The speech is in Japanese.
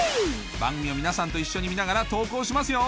番組を皆さんと一緒に見ながら投稿しますよ！